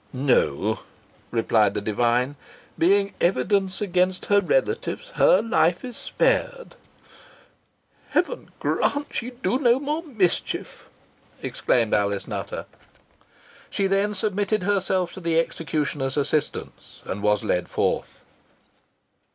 "No," replied the divine; "being evidence against her relatives, her life is spared." "Heaven grant she do no more mischief!" exclaimed Alice Nutter. She then submitted herself to the executioner's assistants, and was led forth.